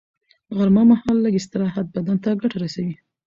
غرمه مهال لږ استراحت بدن ته ګټه رسوي